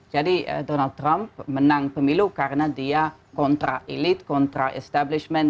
jadi donald trump menang pemilu karena dia kontra elit kontra establishment